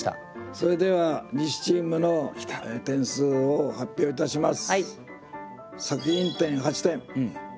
それでは西チームの点数を発表いたします。